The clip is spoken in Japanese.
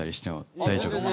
大丈夫。